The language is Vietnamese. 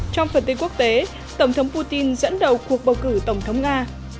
trong phần tin quốc tế tổng thống putin dẫn đầu cuộc bầu cử tổng thống nga